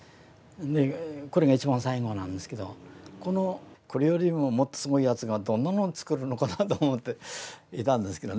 これが一番最後なんですけどこのこれよりももっとすごいやつがどんなもの作るのかなと思っていたんですけどね